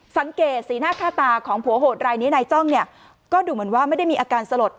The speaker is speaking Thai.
สังเกตสีหน้าค่าตาของผัวโหดรายนี้นายจ้องเนี่ยก็ดูเหมือนว่าไม่ได้มีอาการสลด